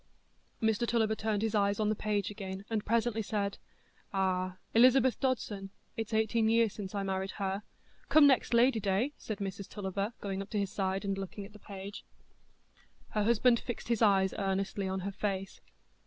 Mr Tulliver turned his eyes on the page again, and presently said: "Ah—Elizabeth Dodson—it's eighteen year since I married her——" "Come next Ladyday," said Mrs Tulliver, going up to his side and looking at the page. Her husband fixed his eyes earnestly on her face.